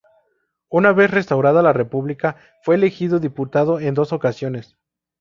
Una vez restaurada la república fue elegido diputado en dos ocasiones.